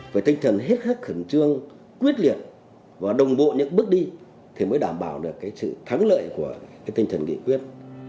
với tinh thần hết sức khẩn trương quyết liệt và đồng bộ những bước đi thì mới đảm bảo được sự thắng lợi của tinh thần nghị quyết